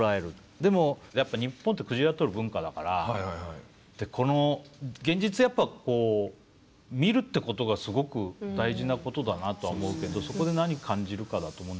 でもやっぱ日本って鯨獲る文化だからでこの現実やっぱりこう見るってことがすごく大事なことだなとは思うけどそこで何感じるかだと思うんだけど。